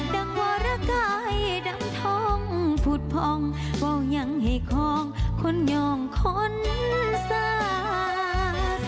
ดังวรกายดังท้องพูดพ่องเว้ายังให้คล้องคนยองคนซาก